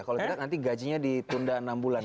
kalau tidak nanti gajinya ditunda enam bulan